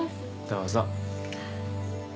どうぞ。